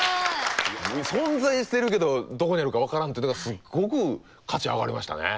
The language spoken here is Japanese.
存在してるけどどこにあるか分からんっていうのがすっごく価値上がりましたね。